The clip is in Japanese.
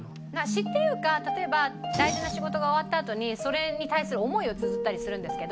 詩っていうか例えば大事な仕事が終わったあとにそれに対する思いをつづったりするんですけど。